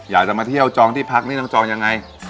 อยากจะมาเที่ยวจองที่พักนี่ต้องจองยังไง